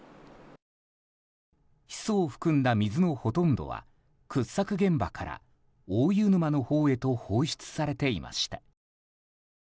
ヒ素を含んだ水のほとんどは掘削現場から大湯沼のほうへと放出されていました。